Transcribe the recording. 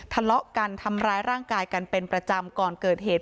ทะเลาะกันทำร้ายร่างกายกันเป็นประจำก่อนเกิดเหตุ